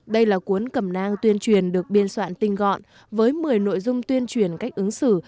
đây là cuốn cẩm nang tuyên truyền được biên soạn tinh gọn với một mươi nội dung tuyên truyền cách ứng xử